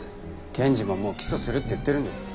検事ももう起訴するって言ってるんです。